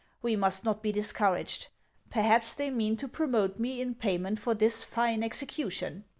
We must not be discouraged ; per haps they mean to promote rne in payment for this line execution.